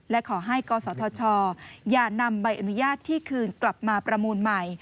และขอให้กศธชอย่านำใบอนุญาตที่คืนกลับมาประมูลใหม่